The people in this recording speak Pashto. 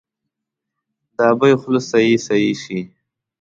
د ابۍ خوله سخي، سخي شي